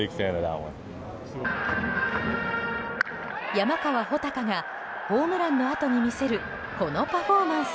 山川穂高がホームランのあとに見せるこのパフォーマンス。